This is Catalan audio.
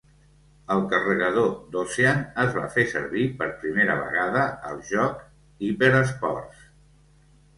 El carregador d'Ocean es va fer servir per primera vegada al joc "Hyper Sports".